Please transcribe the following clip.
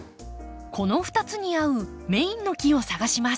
この２つに合うメインの木を探します。